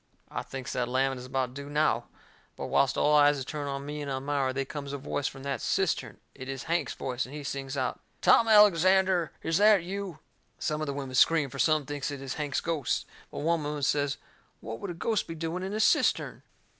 I thinks that lamming is about due now. But whilst all eyes is turned on me and Elmira, they comes a voice from that cistern. It is Hank's voice, and he sings out: "Tom Alexander, is that you?" Some of the women scream, for some thinks it is Hank's ghost. But one woman says what would a ghost be doing in a cistern?